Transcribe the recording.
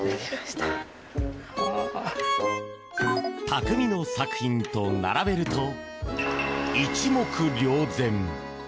匠の作品と並べると一目瞭然。